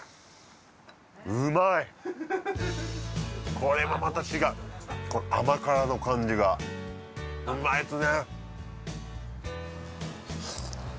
これもまた違う甘辛の感じがうまいっすね